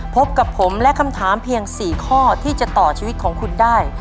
พบกับผมและคำถามเพียง๔ข้อที่จะต่อชีวิตของคุณได้